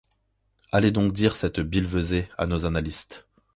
Allez donc dire cette billevesée à nos annalistes!